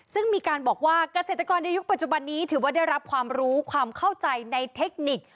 ซึ่งมีการบอกว่าเกษตรกรในยุคปัจจุบันนี้ถือว่าได้รับความรู้ความเข้าใจในเทคนิค